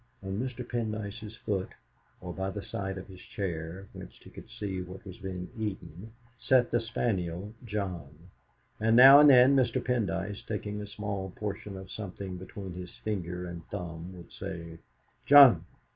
On Mr. Pendyce's foot, or by the side of his chair, whence he could see what was being eaten, sat the spaniel John, and now and then Mr. Pendyce, taking a small portion of something between his finger and thumb, would say: "John!